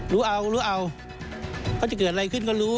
รู้เอารู้เอาเขาจะเกิดอะไรขึ้นก็รู้